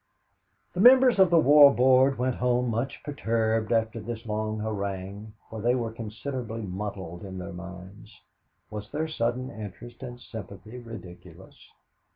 The members of the War Board went home much perturbed after this long harangue, for they were considerably muddled in their minds. Was their sudden interest and sympathy ridiculous?